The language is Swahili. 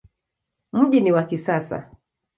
Mji ni wa kisasa.